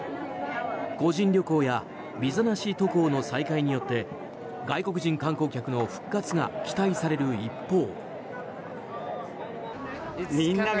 個人旅行やビザなし渡航の再開によって外国人観光客の復活が期待される一方。